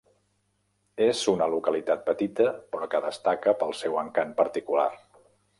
És una localitat petita però que destaca pel seu encant particular.